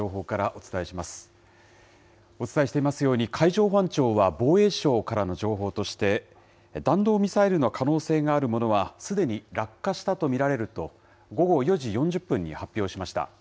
お伝えしていますように、海上保安庁は防衛省からの情報として、弾道ミサイルの可能性があるものは、すでに落下したと見られると、午後４時４０分に発表しました。